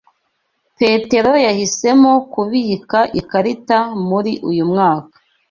Petero yahisemo kubika ikarita muri uyu mwaka.